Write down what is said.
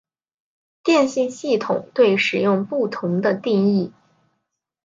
电信系统对使用不同的定义。